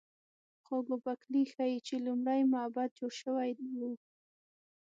خو ګوبک لي ښيي چې لومړی معبد جوړ شوی و.